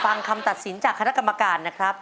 ฟังคำตัดสินจากคณะกรรมการนะครับ